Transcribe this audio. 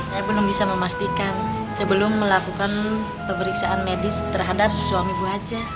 saya belum bisa memastikan sebelum melakukan pemeriksaan medis terhadap suami bu haja